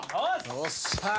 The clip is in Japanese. よっしゃ！